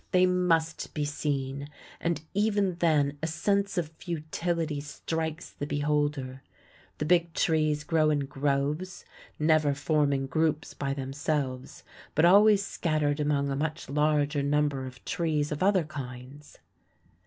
They must be seen; and even then a sense of futility strikes the beholder. The Big Trees grow in groves, never forming groups by themselves, but always scattered among a much larger number of trees of other kinds.